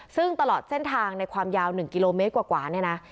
ซึ่งตลอดเส้นทางในความยาวหนึ่งกิโลเมตรกว่ากว่านี้นะ